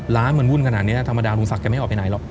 ร้านมันวุ่นขนาดนี้ธรรมดาลุงศักดิ์ไม่ออกไปไหนหรอก